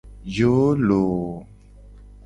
Yoo loo.